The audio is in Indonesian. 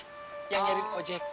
mo bang jali cari lojek